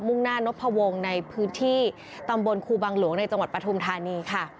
่งหน้านพวงในพื้นที่ตำบลครูบังหลวงในจังหวัดปฐุมธานีค่ะ